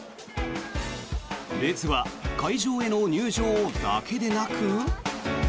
列は会場への入場だけでなく。